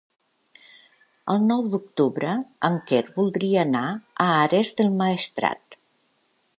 El nou d'octubre en Quer voldria anar a Ares del Maestrat.